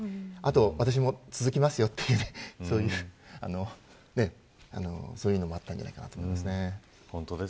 私も続きますよというそういうのもあったんじゃないかと思います。